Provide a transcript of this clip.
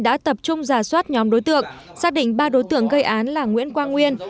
đã tập trung giả soát nhóm đối tượng xác định ba đối tượng gây án là nguyễn quang nguyên